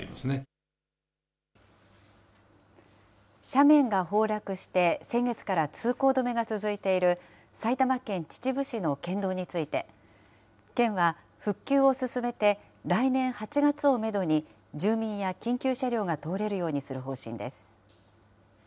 斜面が崩落して先月から通行止めが続いている埼玉県秩父市の県道について、県は復旧を進めて、来年８月をメドに住民や緊急車両が通れるようにする方針です。